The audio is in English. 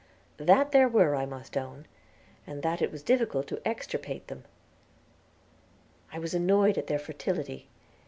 That there were, I must own, and that it was difficult to extirpate them. I was annoyed at their fertility.